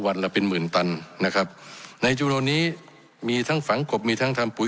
ละเป็นหมื่นตันนะครับในจุโลนี้มีทั้งฝังกบมีทั้งทำปุ๋